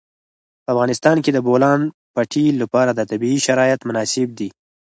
په افغانستان کې د د بولان پټي لپاره طبیعي شرایط مناسب دي.